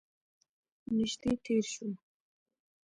نژدې تیر شول